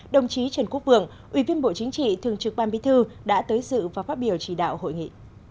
đồng chí trần quốc vượng ủy viên bộ chính trị thường trực ban bí thư đã tới dự và phát biểu chỉ đạo hội nghị